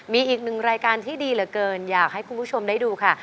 มีอีกหนึ่งรายการที่ดีเหลือเกินอยากให้คุณผู้ชมได้ดูค่ะ